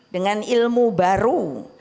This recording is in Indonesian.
dengan ilmu baru